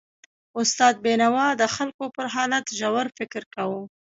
استاد بینوا د خلکو پر حالت ژور فکر کاوه.